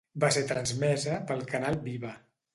Va ser transmesa pel canal Viva.